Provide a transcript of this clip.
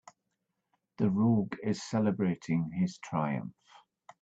The rogue is celebrating his triumph.